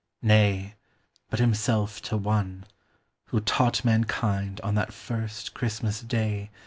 Nay, but Himself to one ; Who taught mankind on that first Christmas day.